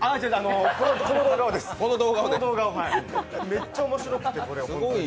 めっちゃ面白くて。